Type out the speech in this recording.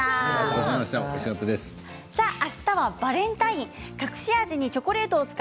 あしたはバレンタイン。